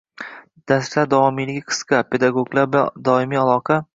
darslar davomiyligi qisqa, pedagog bilan doimiy aloqa